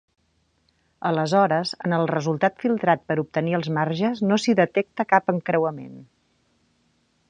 Aleshores, en el resultat filtrat per obtenir els marges no s'hi detecta cap encreuament.